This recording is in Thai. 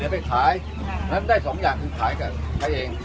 สินใจอ่ะคุณสมมุมยังไม่สมพันธุ์เพื่อน